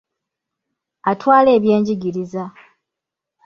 Atwala ebyenjigiriza.